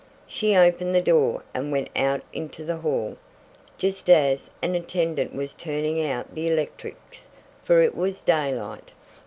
She opened the door, and went out into the hall, just as an attendant was turning out the electrics, for it was daylight.